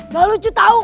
nggak lucu tau